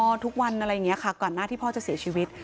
ลูกเขาเล่นกับพ่อทุกวันก่อนหน้าที่พ่อจะเสียชีวิต